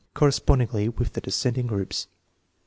correspondingly with the descending groups.